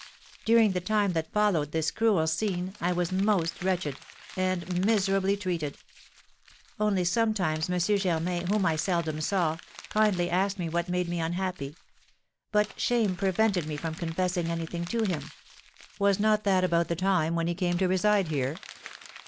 During the time that followed this cruel scene, I was most wretched, and miserably treated; only sometimes M. Germain, whom I seldom saw, kindly asked me what made me unhappy; but shame prevented me from confessing anything to him." "Was not that about the time when he came to reside here?"